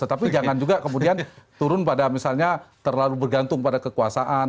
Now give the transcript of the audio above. tetapi jangan juga kemudian turun pada misalnya terlalu bergantung pada kekuasaan